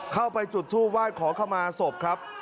เข้าไปจุดทู่ว่านขอเข้ามาศพครับ